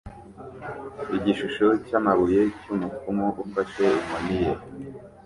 Igishusho cyamabuye cyumupfumu ufashe inkoni ye